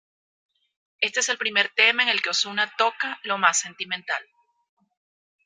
Este es el primer tema en el que Ozuna toca lo más sentimental.